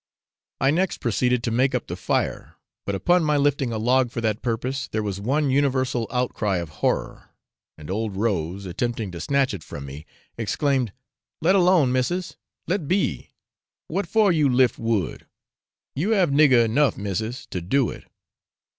I next proceeded to make up the fire, but upon my lifting a log for that purpose, there was one universal outcry of horror, and old Rose, attempting to snatch it from me, exclaimed, 'Let alone, missis let be what for you lift wood you have nigger enough, missis, to do it!'